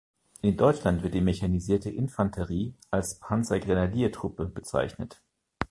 In Deutschland wird die Mechanisierte Infanterie als Panzergrenadiertruppe bezeichnet.